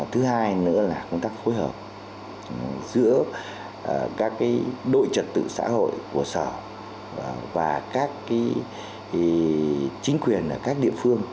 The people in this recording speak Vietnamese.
thứ hai nữa là công tác phối hợp giữa các đội trật tự xã hội của sở và các chính quyền ở các địa phương